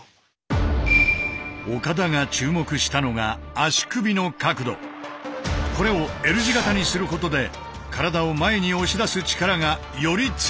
岡田が注目したのがこれをＬ字形にすることで体を前に押し出す力がより強くなるという。